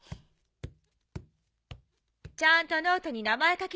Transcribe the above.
ちゃんとノートに名前書きなさいね。